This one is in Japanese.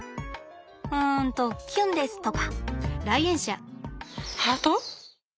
うんと「きゅんです」とか？